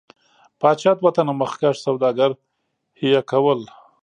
پاچا دوه تنه مخکښ سوداګر حیه کول.